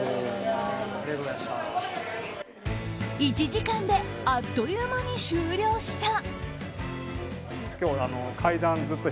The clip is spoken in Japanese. １時間であっという間に終了した。